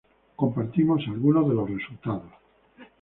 compartimos algunos de los resultados